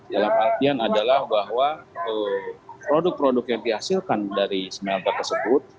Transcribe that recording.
dalam artian adalah bahwa produk produk yang dihasilkan dari smelter tersebut